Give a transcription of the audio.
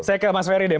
saya ke mas ferry deh